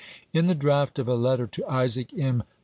In the draft of a letter to Isaac M.